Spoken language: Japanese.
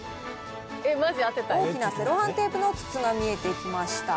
大きなセロハンテープの筒が見えてきました。